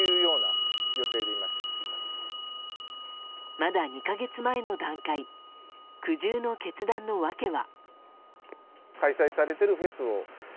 まだ２か月前の段階苦渋の決断の訳は。